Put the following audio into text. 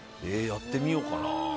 やってみようかな。